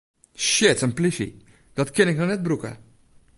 Shit, in plysje, dat kin ik no net brûke!